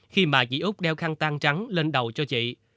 khi mà chị úc đeo khăn tan trắng lên đầu cho chị